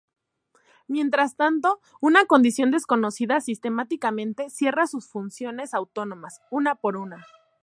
Mientras tanto, una condición desconocida sistemáticamente cierra sus funciones autónomas, una por una.